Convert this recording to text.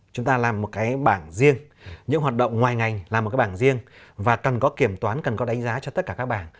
chúng ta làm một cái bảng riêng những hoạt động ngoài ngành làm một cái bảng riêng và cần có kiểm toán cần có đánh giá cho tất cả các bảng